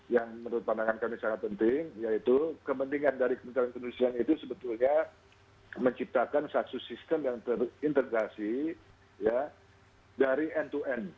yang menurut pandangan kami sangat penting yaitu kepentingan dari kementerian pendustrian itu sebetulnya menciptakan satu sistem yang terintegrasi dari end to end